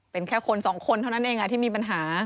เป็นแค่คนสองคนเท่านั้นเองที่มีปัญหา